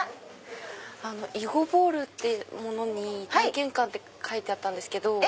囲碁ボール体験会って書いてあったんですけど。